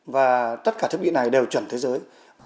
và tất cả thiết bị này đều chuẩn thế giới